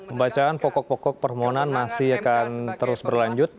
pembacaan pokok pokok permohonan masih akan terus berlanjut